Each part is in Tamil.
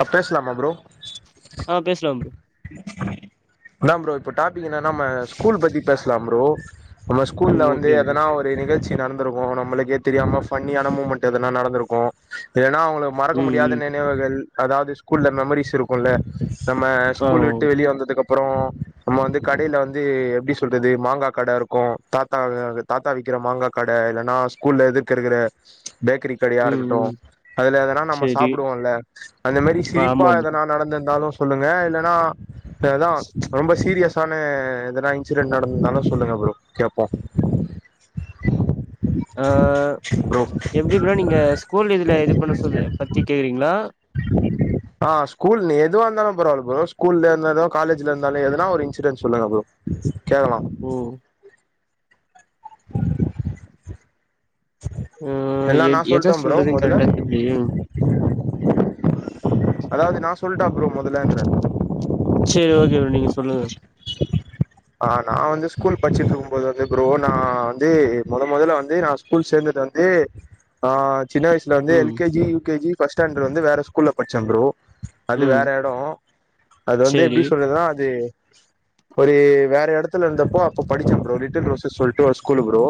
ஆ பேசலாமா ப்ரோ ஆ பேசலாம் ப்ரோ என்னா ப்ரோ [unintelligible] இதுல நம்ம ஸ்கூல் பத்தி பேசலா ப்ரோ நம்ம ஸ்கூல்ல ம் வந்து ஓகே ப்ரோ எதனா ஒரு நிகழ்ச்சி நடந் இருக்கு நம்மளுக்கே தெரியாம ஃபன்னியான மூமெண்ட் எதனா நடந்திருக்கு இல்லன்னா உங்க மறக்க ம் ம் முடியாத நினைவுகள் அதாவது ஸ்கூல்ல மெமரிஸ் இருக்கும்ல்ல நம்ம ஆ கூல் விட்டு வெளிய வந்ததுக்கப் அப்புறோ நம்ம வந்து கடையில வந்து எப்டி சொல்றது மாங்கா கடை இருக்கும் தாத்தா தாத்தா விக்கிற மாங்கா கடை இல்லைன்னா ஸ்கூல்ல எதிர்க்க இருக்கற பேக்கரி கடையா ம் இருக்கட்டு ம் அதுல எதனா நம்ம செரி சாப்பிடுவோம்ல அந்த மாரி சிரிப்பா ஆமா ப்ரோ எதுனா நடந்திருந்தாலு சொல்லுங்க இல்ல ஆ ப்ப அதா ரொம்ப சீரியஸ் [unintelligible] எதனா இன்சிடென்ட் நடந்திருந்தாலு சொல்லுங்க ப்ரோ கேப்போ அஹ் ப்ரோ எப்டி ப்ரோ நீங்க ஸ்கூல் இதுல இது பண்ண சொல்லி பத்தி கேக்குறீங்களா [inaudible] ஆஹ் ஸ்கூல் எதுவா இருந்தாலு பரவால்ல ப்ரோ ஸ்கூல்ல இருந்தாலு காலேஜ்ல இருந்தாலு எதுனா ஒரு இன்ஸிடண்ட் சொல்லுங்க ப்ரோ கேக்கலாம் ஓ [inaudible] ஆஹ் எல்லா எ நா எதா சொல்ட்டே ப்ரோ சொல்றதுன்னு மொதல்ல கரெக்டா தெரியலயே அதாவது நான் சொல்ட்டா ப்ரோ மொதல்லங்ரே சேரி ஓகே நீங்க சொல்லுங்க ஆ நா வந்து ஸ்கூல் படிச்சிட்டு இருக்கும்போது வந்து ப்ரோ நா வந்து மொதல் மொதல்ல வந்து நா ஸ்கூல் சேந்தது வந்து ஆஹ் சின்ன வயசுல வந்து ம் L K G U K G first standard வந்து வேற ஸ்கூல்ல படிச் சந்ரூ அது ம் வேற எடோ அது வந்து செரி எப்டி சொல்றதுன்னா அது ஒரு வேற எடத்துல இருந்தப்போ அப்ப படிச்சே ப்ரோ லிட்டில் ரோஸ்னு சொல்லிட்டு ஒரு ஸ்கூலு ப்ரோ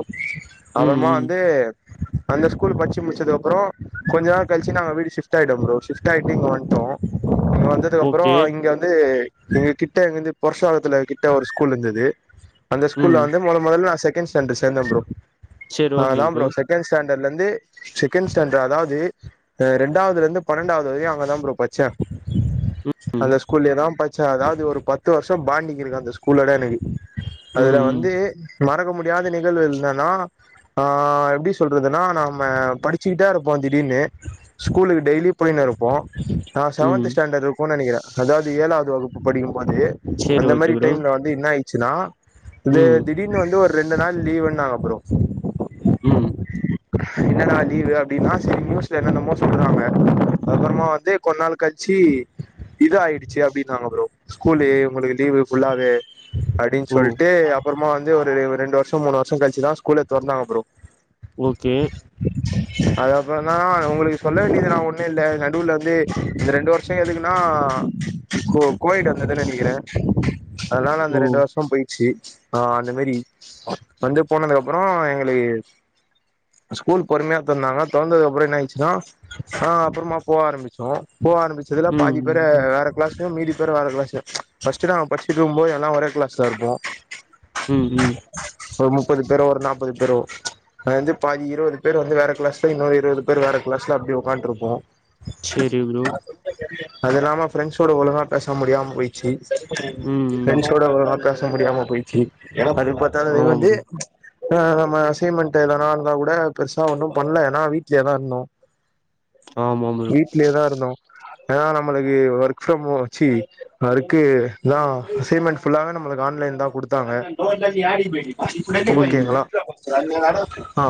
ம் அப்புறமா ம் வந்து அந்த ஸ்கூல் பட்ச்சி முச்சதுக்கப்புறோ கொஞ்ச நாள் கழிச்சு நாங்க வீடு ஷிப்ட் ஆயிட்டோ ப்ரோ ஷிப்ட்டு ஆயிட்டு இங்க வந்துட்டோம் இங்க வந்ததுக்கு அப்றோ ஓகே இங்க வந்து எங்க கிட் கிட்டருந்து பொருஷாகத்துல கிட்டட வர குளுந்துது அந்த ம் ஸ்கூல வந்து மொதல் மொதல்ல நா செக் [unintelligible] சேந்தே ப்ரோ செரி ஆஹ ஓகே அத ப்ரோ செகண்ட்ஸ்டா இருந்து செகண்ட் ஸ்டாண்டர் அதாவது இரண்டாவதுல இருந்து பன்னெண்டாவது வரையும் அங்கதா ப்ரோ பட்ச ம் அந்த ஸ்கூல்லயேதா படிச் ச்சே அதாவது ஒரு பத்து வருஷம் பாண்டிங் இருக்கு அந்த ஸ்கூலோட எனக்கு ம் அதுல ம் வந்து [unintelligible] [unintelligible] நிகழ்வு இருந்தனா எப்படி சொல்றதுன்னா நாம படிச்சக்கிட்டா இருப்போம் திடீர்னு ஸ்கூலுக்கு டெய்லி அப்படின்னு இருப்போம் ஆஹ் ம் செவந்த் ஸ்டாண்டர்டு இருக்குன்னு நெனைக்கிறே அதாவது ஏழாவது வகுப்பு படி து செரி அந்த ஓகே மாதிரி ப்ரோ டைம்ல வந்து என்ன சின்னா இது ம் திடீர்னு வந்து ஒரு ரெண்டு நாள் லீவ்னாங்க ப்ரோ ம் என்னன்னா லீவு அப்டின்னா சரி நியூஸ்ல என்னன்னமோ சொல்றாங்க அப்புறமா வந்து கொஞ்ச நாள் கழிச்சு இது ஆயிடுச்சு அப்படின்னாங்க ப்ரோ ஸ்கூல்ல உங்களுக்கு லீவு ஃபுல்லாவ அப்டின்னு ஓ சொல்ட்டு அப்புறமா வந் வந்து ஒரு ஒரு ரெண்டு வருஷம் மூணு வருஷம் கழிச்சுதா ஸ்கூலே தெறந்தாங்க ப்ரோ ஓகே அது அப்புறம்தா உங்களுக்கு சொல்ல வேண்டியது நா ஒன் இல்ல நடுவுல வந்து இந்த ரெண்டு வருஷம் எதுக்குன்னா கோ-கோவிட் வந்ததுன்னு நெனைக்கிறே அதனால ஓ அந்த ரெண்டு வருஷம் போயிடுச்சு ஆஹ் அந்த மாதிரி வந்து போனதுக்கு அப்புறம் எங்களுக்கு ஸ்கூல் பொறுமையா தொறந்தகா தொறந்ததுக்கு அப்புறம் என்ன ஆச்சுன்னா ஆஹ் அப்புறமா போக ஆரம்பிச்சோ போக ஆரம்பிச்சதுல ம் பாதி பெற ம் வேற கிளாஸ் மீதி பேர் வேர கிளாஸ்ல பஸ்டுதா பஸ்டுக்குஇருக்கும்போது எல்லாம் ஒரே கிளாஸ்ல இருப்போம் உம் கும் ப்ரோ ஒரு நாற்பது ப்ரோ அதுல வந்து பாதி இருபது பேர் வந்து வேறு கிளாஸில் இன்னொரு இருபது பேர் வேறு கிளாஸில் அப்படி உட்கான்ட்டுஇருப்போம் செரி ப்ரோ அதுல்லாம ஃபிரண்ட்ஸ் ஒட ஒழுங்கா பேச முடியாம போயிச்சு ம் ம் ஃப்ரெண்ட்ஸோட இவ்வளவு நாள் ச முடியாம போயிட்சி எவன் கண்பட்டலே ஆமா இதுவந்து ப்ரோ ஆ நம்ம அசைமெண்ட் எதனா இருந்தா கூட பெருசா ஒன்னும் பண்ணல ஏன்னா வீட்லேதா இருந்தோ ஹா வீட்லேதான் இருந்தோம் ஏன்னா நம்மளுக்கு ஒர்க் ஃபிரம் ஹம் ச்சி ஒர்க் தான் அசைன்மென்ட் நம்ம ஆன்லைன் தான் குடுத்தாங்க ம் ஓகேங்களா ஆ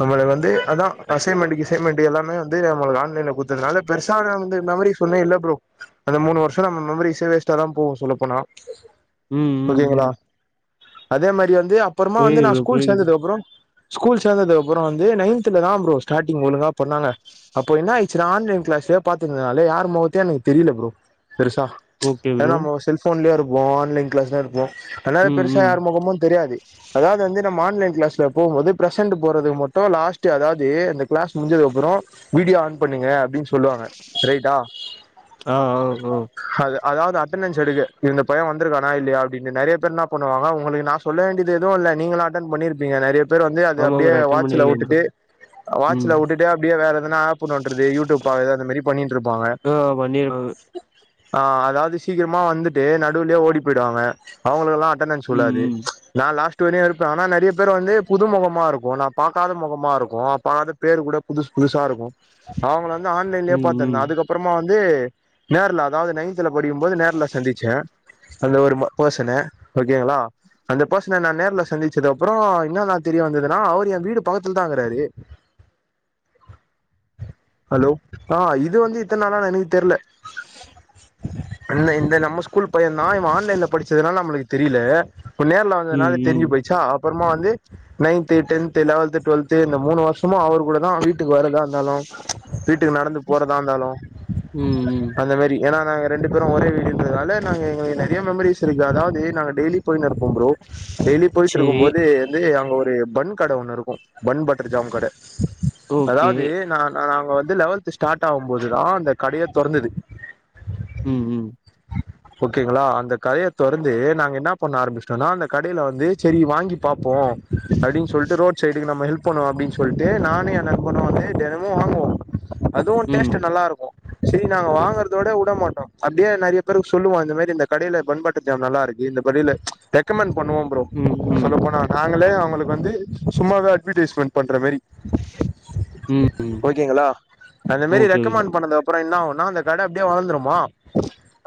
நம்ம வந்து அதான் அசைன்மெண்ட் கிசைமெண்ட் எல்லாமே வந்து நம்மால ஆன்ல கொஞ்ச நாள பெருச நா வந்து மெமரிஸ்சே இல்ல ப்ரோம் அந்த மூணு வருஷம் நம்ம மெமரிஸ் வேஸ்ட தான் போவும் சொல்லப்போனா உம் உம் உம் அதே மாரி வந்து இது அப்பறமா வந்து நான் ஸ்கூல் புரியுது சேந்ததுக்கு அப்பறம் ஸ்கூல் சேந்ததுக்கு அப்புறம் வந்து நையன்துல தான்ப்ரோ ஸ்டாட்டிங் ஒழுங்கா பண்ணாங்க அப்ப என்னாயி சரி ஆன்லைன் கிளாஸ்ல பாத்துக்கேங்கா யார் முகத்தே எனக்கு தெரியல ப்ரோ பெருசா ப்ரோ ஓகே ஏ ப்ரோ நம்ம செல் போன்லயே இருப்போ மார்னிங் கிஸா இருப்போம் அதனால ம் பெருசா ம் யார் முகமும் தெரியாது அதாவது வந்து நம்ம ஆன்லைன் கிளாஸ்ல போகும்போது பிரசெட் போறது மட்டும் லாஸ்ட் அதாவது அந்த கிளாஸ் முடிஞ்சது அப்புறம் வீடியோ அன் பண்ணுங்க அப் அப்டினு சொல்லுவாங்க ரைட்டா ஆ ஆ ஆ அத அதாவது அட்டண்டன்ஸ் எடுக்க இந்த பையன் வந்திருக்கானா இல்லய அப்படின்னு நிறைய பேர் பண்ணுவாங்க உங்களுக்கு நான் சொல்ல வேண்டியது எதுவும் இல்ல நீங்களும் அட்டன் பண்ணிருப்பீங்க நிறைய பே பேர் வந்து அது ஆமா அப்படியே ப்ரோ அட்டன் வாட்சல பண்ணிருக்கே ப்ரோ விட்டுட்டு ம் வாட்சல விட்டுட்டு அப்படியே வேற எதனா போன்நோட்றது யூடியூப் பாக்குறது அந்த மாரி பண்ணிட்டு இருப்பா அவே ஆ பண்ணிருக்காங்க ஆஹ் அதாவது சீக்கிரமா வந்துட்டு நடுலேயே ஓடி போயிடுவாங்க அவங்களுக்கெல்லாம் அட்டண்ஸ் ம் உலாது ம் நான் லாஸ்ட் துங்கினியாக இருப்போ ஆனால் நிறைய பேர் வந்து புது முகமாக இருக்கும் நான் பார்க்காத மோகமாக இருக்கும் அப்ப நான் பேர் கூட புதுசு புதுசாக இருக்கும் அவளப் ஆன்லைன்லே ம் ம் பார்துறுந்தேன் அதுக்கப்புறமா வந் [inaudible] நேரல அதாவது நைத் த்துல படியும் போது நேரல சந்திச்சேன் அந்த ஒரு பெர்சனை ஓகேங்களா அந்த பெர்சனை நான நேரல சந்திச்சது அப்பறம் என்ன நான தெரிய வந்ததுன்னா அவர் என் வீடு பக்கத்துல தான்ங்கறாரு ஹலோ ஆ இது வந்து இத்தனை நாளா நினை தெரள இல்ல இந்த நம் ஸ்கூல் [inaudible] இ ஆன்லைன்ல படிச்சதுனால நம்ம தெரியல உ ம் நேரல [inaudible] ம் தெரி்ஞ் போயிச்சா அப்புறமா வந்து நைன்த டென்து லெவன்து டுவெல்து இந்த மூணு வருஷமும் அவர் கூட தான் வீட்டுக்கு வருதான் [inaudible] வீட்டுக்கு நடந்து போறதா இருந்தாலும் ம் ம் அந்த மாரி ஏனா நாங்க ரெண்டு பேரும் ஒரே வீடுதால நா எங்களுக்கு நெறைய மெமரிஸ் இருக்கு அதாவது நா டெய்லி போய் [inaudible] ம்பறோம் டெய்லி போயிட்டு இருக்கும் சரி போது வந்துங்க ஒரு பன் கட ஒண்ணு இருக்கும் பன் பட்டர் ஜாமன் கட ஓகே அதாவது நான் நாங்க வந்து லெவல்த் ஸ்டார்ட் ஆகும்போதுதான் அந்த கடயை தெறந்தது ம் ம் ஓகேங்களா அந்த கதயை தொடர்ந்து நாங்க என்ன பண்ண ஆரம்பிச்சோம்னா அந்த கடயில வந்து சேரி வாங்கி பார்ப்போம் அப்டின்னு சொல்லிட்டு ரோட் சைடுக்கு நம்ம லெல்ப் பண்ண அப்டின்னு சொல்லிட்டு நானே எனக்கு ஆ ஆமா அதுவும் ம் டேஸ்ட்ட் நல்லா இருக்கும் செரி நாங்க வாங்குறதோட விட மாட்டோம் அப்டியே நெறைய பேருக்கு சொல்லுவோம் இந்த மாரி இந்த கடயில பண்பாட்டும் நல்லா இருக்கு இந்த படியில ரெக்கமெண்ட் பண்ணுவோம் ப்ரோம் ம் சொல்ல ம் போனா நாங்களே உங்களுக்கு வந்து சும்மா அட்வர்டைஸ்மெண்ட் பண்ற மாரி ம் ம் ஓகேங்களா அந்த மாரி ஓகே ப்ரோ ரெக்கமண்ட் பண்ணது அப்பறம் என்ன அந்த கட அப்டியே வளர்ந்துருமா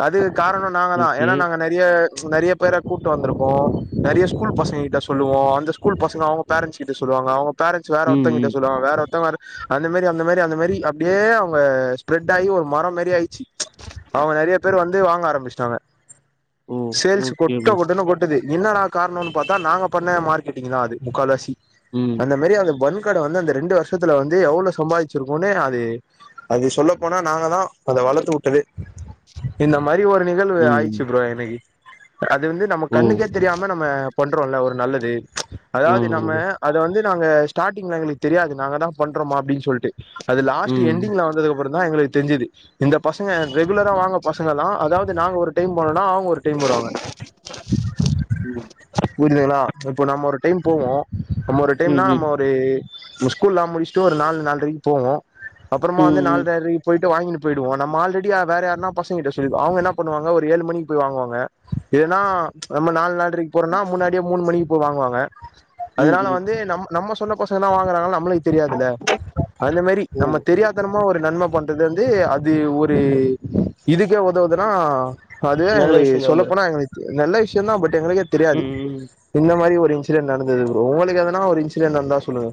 அது காரணம் நாங்க தான் ஓகே ஏன்னா நாங்கள் நெறைய நெறைய பேரை கூட்டு வந்திருகோம் நெறைய ஸ்கூல் பசங்க கிட்ட சொல்லுவோம் அந்த ஸ்கூல் பசங்க அவங்க பேரண்ட்ஸ் கிட்ட சொல்லுவாங்க அவங்க பேரன்ஸ் வேற ம் ஒருத்தங்க கிட்ட ம் சொல்லுவங்க வேற ஒருத்தங்க அந்த மாரி அந்த மாரி அந்த மாரி அப்டியே அவங்க ஸ்ப்ரெட் ஆகி ஒரு மரம் மாரி ஆயிச்சு அவங்க நெறைய பேர் வந்து வாங்க ஆரம்பிச்சிட்டாங்க ஓ சேல்ஸ் ஓகே கொட்ட ப்ரோ கொட்டனு கொட்டது இன்ன நாடா காரம்னு பார்த்தா நாங்க பண்ண மார்கெட்டி் தான் அது முக்கால்லாசி ம் அந்த மாரி அந்த பன் வந்து அந்த ரெண்டு வருஷத்துல வந்து எவ்வளவு சம்பாதிச்சிருக்கோனு அது அது சொல்ல போனா நாங்க தான் அந்த வளத்து வுட்டது இனம் மரி ஒரு நிகழ்வு ம் ஆயிச்சு ப்ரோ இனக்கு அது வந்து நம்ம ஓ கண்ணுக்கே தெரியாம நம்ம பண்ணுறோல ஒரு நல்லது அதாவது ஆமா நம்ம ப்ரோ அத வந்து நாங்க ஸ்டாட்டிங்ல எங்களுக்கு தெரியாது நாங்க தான் பண்றோமா அப்பின்னு சொல் அது லாஸ்ட் ம் என்டிங்ல வந்ததுக்கப்புறம் தான் எங்களுக்கு தெஞ்சுது இந்த பசங்க ரெகுலரா வாங்க பசங்கலாம் அதாவது நாங்க ஒரு டைம் போனனா அவங்க ஒரு டைம் வருவாங்க ம் புரிதுங்களா இப்போ நம்ம ஒரு டைம் போவோம நம்ம ஒரு ம் டைம்னா நம்ம ஒரு ஸ்கூலாம் முடிச்சு ப்ப ஒரு நாலு நாலரைக்கு போவோம் ம் அப்புறமா வந்து ம் நாலுரைக்கு போயிட்டு வாங்கட்டு போயிடுவோம் நம்ம ஆல்ரெடி வேற யாரு பசங்க சொல்லிடுவோ அவங்க என்ன பண்ணுவாங்க ஒரு ஏழு மணிக்கு போய் வாங்குவாங்க இல்லனா நம்ம நாலு நாலரைக்கு போறோம்னா முன்னாடியே முணு மணிக்கு போய் வாங்குவாங்க ம் ம் அதனால ம் வந்து நம் நம்ம சொன்னச தான் வாங்கறா நமள அந்த மாதிரி ஓ! நம்ம தெரியாதனமா ஒரு நன்ம பண்றது வந்து அது ஒரு இதுக்கே உதவுதுனா அதுதான் நல்ல எங்களுக்கு விஷயந்தா சொல்ல ப்ரோ போனா எங்களுக்கு நல்ல விஷயம் தான் பட் எங்களுக்கே தெரியாது ம் ம் இந்த மாரி ஒரு இன்சிடென்ட் நடந்தது ப்ரோ உங்களுக்கு எதனா ஒரு இன்சிடென்ட நடந்தா சொல்லுங்க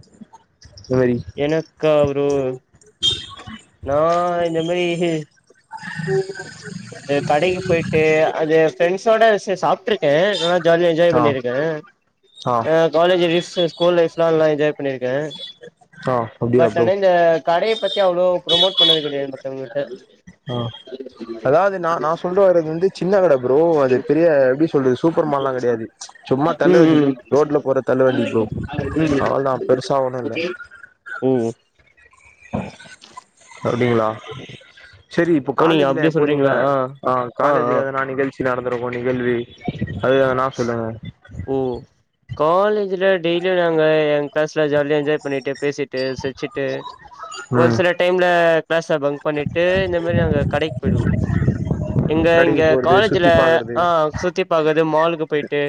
இந்த மாரி எனக்கா ஒரு நான் இந்த மாரி கடைக்கு போயிட்டு அது ஃபரெண்ட்ஸோட சாப்பிட்டு இருக்கேன் ஆன ஜாலியா என்ஜாய் ஆ பண்ணிருக்கேன் ஆ பண்ணிருக்கே காலேஜ் டேஸ் ஸ்கூல் லைஃப்லா நல்லா என்ஜாய் பண்ணிருக்க ஆ ஆ அப்டியா பட் ப்ரோ இந்த கடைய பத்தி ப்ரொமட் பண்ணவே கிடயாதா மத்தவங்களிட்ட ஆ அதாவது நான் நான் சொல்ல வரது ப்ரோ சின்ன கடை ப்ரோ அது பெரிய எப்டி சொல்றது சூப்பர் மால்லாம் கிடையாது சும்மா தள்ளு வண்டி ம் ரோட்ல போற தள்ளு வண்டி ப்ரோ ம் அவ்ளோ தான் பெருசா ஒண்ணு இல்ல ம் ஓ [inaudible] செரி இப்போ ஓ நீங்க காலேஜ்ல அப்டி போறீங்கள சொல்றீங்களா ஆ ஆஹ் ஆ ஆ காலேஜ்ல எதுனா நிகழ்ச்சி இன் அனதர் ஒன் கேள்வி அதேதா நா சொல்லுங்க ம் காலேஜ்ல டெய்லியும் நாங்க எங் கிளாஸ்ல ஜாலியா என்ஜாய் பண்ணிட்டே பேசிட்டு சிர்ச்சிட்டு ஒரு ம் சில டைம்ல கிளாஸ பங்க் பண்ணிட்டு இந்த மாரி அங்க கடைக்கு போயிடுவோம் எங்க இங்க ஸ்டடிக்கு போறது சுத்தி காலேஜில் பாக்குறது ஆ சுத்தி பாக்கறது மாலுக்கு போய்ட்டு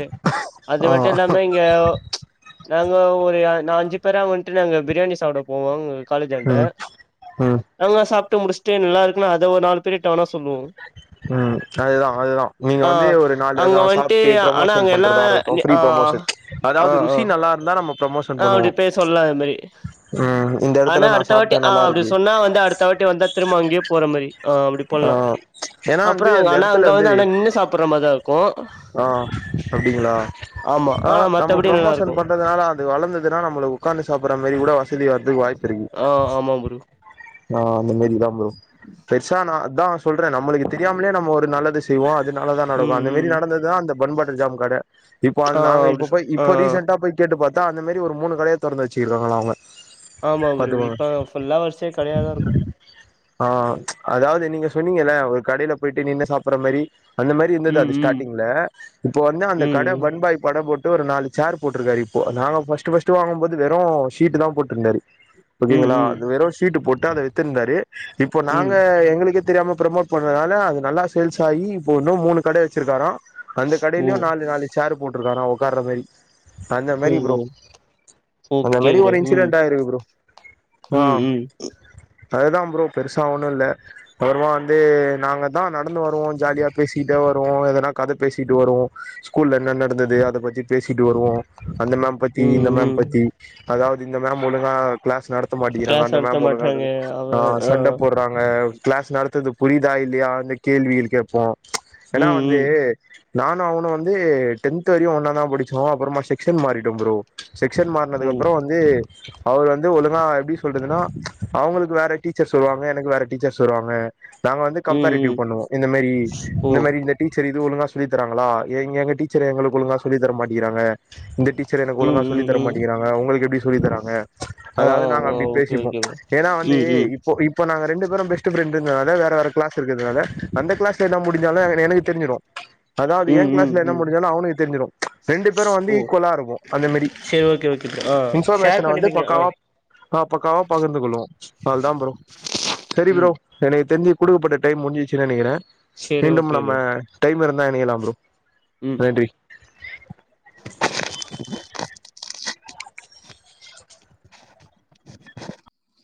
அது ஆ மட்டும் இல்லாம இங்க ஓ நாங்க ஒரு நா அஞ்சு பேரா வன்ட்டு நாங்க பிரியாணி சாப்பிட போவாங்க காலேஜாண்ட ம் ம் நாங்க சாப்ட்டு முடிச் [unintelligible] நல்லா இருக்குனா அத ஒரு நால பேர் டவுனஸ் உம் அதேதான் அதேதான் நீங்க ஆ வந்து ஒரு நாலு அங்க அதான் வந்துட்டு சாப்பிட்டு ஆனா ப்ரொமோஷன் அங்க பண் எல்லா தான்றதா இருக்கட்டும் ஃப்ரீ ஆ புரமோஷன் அதாவது ருசி நல்லாருந்தா ஆஹ் அப்டி போய் சொல்லாம் அது மாரி ம் இந்த ஆனா எடத்துல நா அடுத்த வாட்டி சாப்ட்டே நல்லா ஆஹ் அப்படி இருக்கு சொன்னா வந்து அடுத்த வாட்டி வந்தா திரும்ப அங்கே போற மாரி ஆஹ் அப்டி ஆ பண்லாம் ஏன்னா வந்து அப்புறம் அ அந்த ஆனா அங்க வந்து ஆனா நின்னு சாப்ட்ற மாரிதான் இருக்கும் ஆஹ் அப்டிங்ளா ஆமா ஆனா ஆஹ் நம்ம மத்தபடி நல்லா ப்ரமோஷன் இருக்கு பண்றதுனால அது இதுனா நமல உக்காந்து சாப்புட்ற மாரி கூட வ ஆஹ் ஆமா புரு ஆஹ் அந்த மாரிதான் ப்ரோ பெருசா நான் அதான் சொல்றேன் நம்மளுக்கு தெரியாமலே நம்ம ஒரு நல்லது செய்வோம் இது நால தான் ம் நடக்கும் அந்த மாரி ம் நடந்தது அ அந்த பன் பட்டர் ஜாம் கடை இப்ப அ ஆ நாங்க அப்டி சொ இப்போய் ஆ இப்ப ஆ. ரீசண்டடா போய் கேட்டு பாத் தான் அந்த மாரி ஒரு மூணு கடைய தொறந்து வச்சிருக்காங்களா அவங்க ஆமா குருவே பாத்துக்கோங்க இப்ப ஃபுல்லா வருசியா கடையத்தான் இருக்கும் ஆஹ் அதாவது நீங்க சொன்னீங்கல்ல ஒரு கடையில போயிட்டு நின்னு சாப்பிற மாரி அந்த மாரி இருந்ததுதது ம் அது ம் ஸ்டார்ட் ங்கள இப்ப வந்து அந்த கட ம் பன் பாய் பட போட் ஒரு நாலு சார் போட்டிருக்காருப்போ நாங்கள் ஃபஸ்டு ஃபஸ்டுங்கும்போது வெறும் ஷீட்டு தான் போட்டிருந்தாரு ம் ம் ஓகேங்களா ம் அது வெறும் ஷீட்டு போட் த அத வித்திருந்தாரு இப்போ ம் நாங்க எங்களுக்கே தெரியாம ப்ரமோட் பண்றதனால அது நல்லா சேல்ஸ் ஆயி இப்ப இன்னு மூணு கடை ஆச்சு இருக்காரா அந்த ஓ கடையிலயு நாலு நாலு சேர் போட்ருக்காரா ஒக் உக்கார்ற மாரி அந்த ஓ மாரி ஓ ப்ரோ அந்த ஓகே மாரி ப்ரோ ஒரு ம் இன்சிடென்ட் ஆயிருக்கு ப்ரோ ஆ ம் ம் அதுதா ப்ரோ பெருசா ஒண்ணும் இல்ல அப்றமா வந்து நாங்கதா நடந்து வருவோ ஜாலியா பேசிக்கிட்டே வரு ப்போ எதனா கதை பேசிட்டு வருவோ ஸ்கூல்ல என்ன நடந்தது அத பத்தி பேசிட்டு வருவோ அந்த மேம் பத்தி ம் இந்த மேம் ம் பத்தி அதாவது இந்த மேம் ஒழுங்கா க்ளாஸ் நடத் மாட்டிங்கிறாங்க கிளாஸ் அந்த நடத்த மேம் ஒழுங்கா மாட்றாங்க இதுல அவ ஆ சண்ட போட்றாங்க கிளாஸ் நடத்துறது புரியுதா இல்லையான்னு கேள்விகள் கேப்போ ஏன்னா ம் வந்து ம் நானும் அவனு வந்து டென்த் வரையு ஒன்னாதா படிச்சோ அப்புறமா செக்க்ஷன் மாறிட்டோ ப்ரோ செக்க்ஷன் மாறனதுக்கு ம் அப்புறம் வந்து அவர் வந்து ஒழுங்கா எப்டி சொல்றதுன்னா அவுங்களுக்கு வேற டீச்சர்ஸ் சொல்லுவாங்க எனக்கு வேற டீச்சர்ஸ் சொல்லுவாங்க நாங்க வந்து ம் கம்பாரிட்டிவ் ம் பண்ணுவோ இந்த மாரி ஓ இந்த மாரி இந்த டீச்சர் இது ஒழுங்கா சொல்லி தராங்களா எங்க எங்க டீச்சர் எங்களுக்கு ஒழுங்கா சொல்லித்தர மாட்டிங்கிறாங்க இந்த டீச் ச்சர் எனக்கு ம் ஒழுங்கா சொல்லி ம் தர ம் மாட்டேங்கறாங்க உங்களுக்கு எப்டி சொல்லி தராங்க ஆ அதாவது ஆ நாங்க ஆ அப்டி ஓகே பேசிப்போ ஓகே ப்ரோ ஏன்னா வந்து ம் இப்போ இப்போ நாங்க ரெண்டு பேரும் பெஸ்ட் ஃப்ரண்டுங்கிறதுனால வேற வேற கிளாஸ் இருக்குறதால அந்த கிளாஸ்ல என்ன [unintelligible] [unintelligible] எனக்கு தெரிஞ்சிறும் அதாவது ம் ம் ஏன் ம் கிளாஸ்ல என்ன ம் முடிஞ்சாலு அவனுக்கு தெரி்ஞ்சிரும் ரெண்டு பேரும் வந்து ஓ ஈக்குவலா இருக்கும் அந்த மாரி சரி ஓகே ஓகே ப்ரோ ஆ ஷேர் இன்பர்மேஷன வந்து பண்ணிப்பீங்க ஆ பக்காவா ஆ பக்காவா பகிர்ந்து கொள்ளுவோ அதான் ப்ரோ சரி ப்ரோ ம் எனக்கு தெரிஞ்சு குடுக்கப்பட்ட டைம் முடிஞ்சிச்சு நெனைக்கிறே சரி மீண்டும் ஓகே நம்ம ப்ரோ டைம் இருந் [unintelligible] ப்ரோ ம் நன்றி [inaudible]